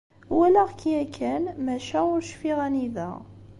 Walaɣ-k yakan maca ur cfiɣ anida.